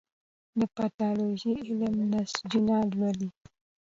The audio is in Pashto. د پیتالوژي علم د نسجونه لولي.